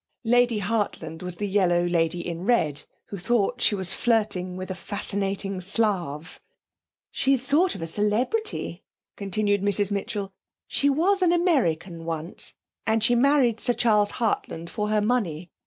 Lady Hartland was the yellow lady in red, who thought she was flirting with a fascinating Slav. 'She's a sort of celebrity,' continued Mrs Mitchell. 'She was an American once, and she married Sir Charles Hartland for her money.